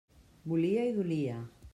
Volia i dolia.